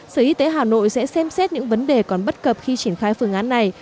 sở y tế hà nội sẽ xem xét những vấn đề còn bất cập khi triển khai phương án này